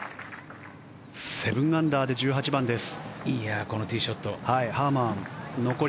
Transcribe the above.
７アンダーで１８番です。